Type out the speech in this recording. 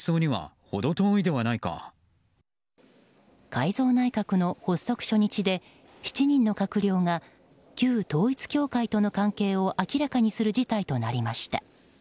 改造内閣の発足初日で７人の閣僚が旧統一教会との関係を明らかにする事態となりました。